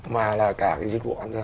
mà là cả cái dịch vụ ăn theo